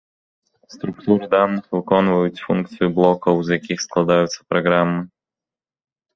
Структуры даных выконваюць функцыю блокаў, з якіх складаюцца праграмы.